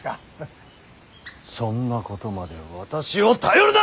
そんなことまで私を頼るな！